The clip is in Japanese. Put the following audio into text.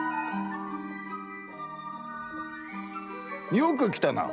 よく来たな。